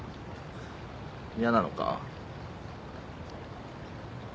嫌なのか。